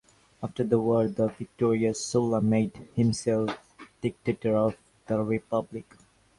After the war the victorious Sulla made himself Dictator of the Republic.